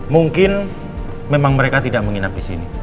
mungkin memang mereka tidak menginap disini